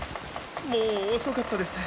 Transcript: もうおそかったです。